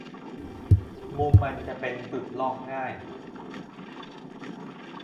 มุมมันจะเป็นจุดลอกง่าย